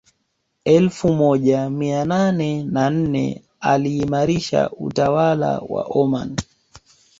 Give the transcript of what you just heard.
Elfu moja mia nane na nne aliimarisha utawala wa Omani